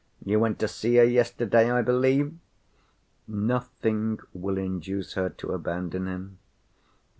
You went to see her yesterday, I believe?" "Nothing will induce her to abandon him."